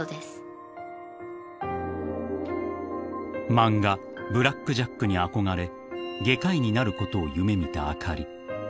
［漫画『ブラック・ジャック』に憧れ外科医になることを夢見たあかり］